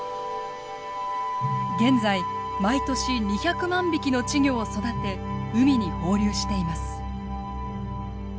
現在毎年２００万匹の稚魚を育て海に放流しています。